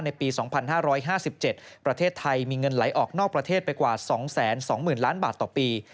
ปี๒๕๕๗ประเทศไทยมีเงินไหลออกนอกประเทศไปกว่า๒๒๐๐๐ล้านบาทต่อปี